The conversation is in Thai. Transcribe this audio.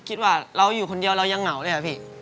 คิดว่าเราอยู่คนเดียวเรายังเหงาด้วยอะพี่